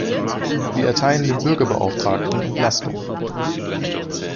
Wir erteilen dem Bürgerbeauftragten Entlastung.